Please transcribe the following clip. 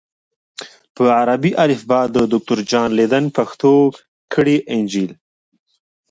په عربي الفبا د دوکتور جان لیدن پښتو کړی انجیل